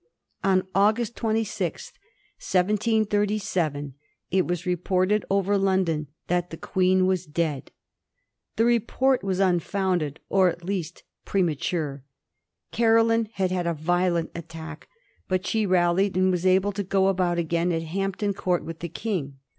On August 26, 1737, it was reported over London that the Queen was dead. The report was unfounded, or at least premature. Caroline had had a violent attack, but she rallied and was able to go about again at Hampton Court with tbe King.